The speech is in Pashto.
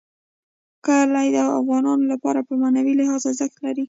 کلي د افغانانو لپاره په معنوي لحاظ ارزښت لري.